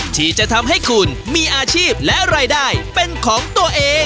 ที่จะทำให้คุณมีอาชีพและรายได้เป็นของตัวเอง